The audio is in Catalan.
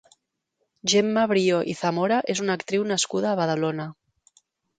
Gemma Brió i Zamora és una actriu nascuda a Badalona.